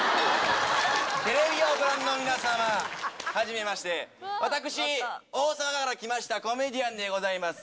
テレビをご覧の皆様、初めまして、私、大阪から来ましたコメディアンでございます。